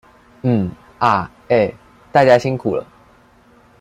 嗯、啊、欸。大家辛苦了